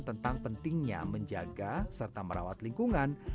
tentang pentingnya menjaga serta merawat lingkungan